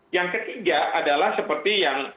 yang ketiga adalah seperti yang